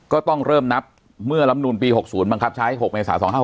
ก็ต้องเริ่มนับเมื่อลำนูลปี๖๐บังคับใช้๖เมษา๒๕๖๖